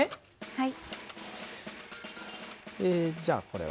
はい。